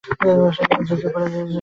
তিনি ব্যবসায়ের দিকে ঝুঁকে পড়েন।